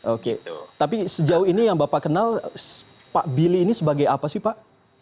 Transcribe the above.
oke tapi sejauh ini yang bapak kenal pak billy ini sebagai apa sih pak